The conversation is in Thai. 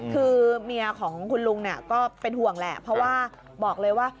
คือเมียของคุณลุงเนี่ยก็เป็นห่วงแหละเพราะว่าบอกเลยว่า